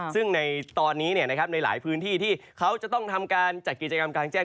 ซึ่งในตอนนี้ในหลายพื้นที่ที่เขาจะต้องทำการจัดกิจกรรมกลางแจ้ง